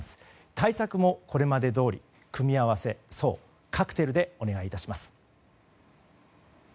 対策もこれまでどおり組み合わせ、そうカクテルでお願い致します。